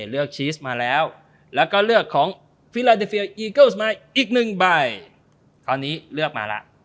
เลือกมาแล้วแล้วก็เลือกของอีกหนึ่งใบคราวนี้เลือกมาแล้ว